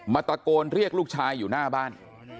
ตะโกนเรียกลูกชายอยู่หน้าบ้าน